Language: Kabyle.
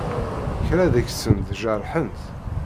Kra deg-sent jerḥent.